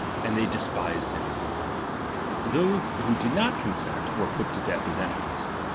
And they de spised hint ; those who did not consent, were put to death as enemies.